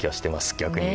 逆に。